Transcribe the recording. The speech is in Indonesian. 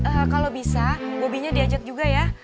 ee kalau bisa bobby nya diajak juga ya